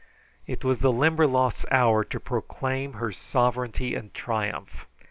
It was the Limberlost's hour to proclaim her sovereignty and triumph.